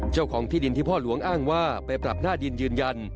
เจ้าของที่ดินที่พ่อหลวงอ้างว่าไปปรับหน้าดินยืนยัน